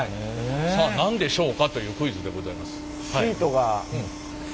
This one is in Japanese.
さあ何でしょうかというクイズでございます。